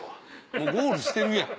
もうゴールしてるやん。